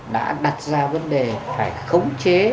đã đặt ra vấn đề phải khống chế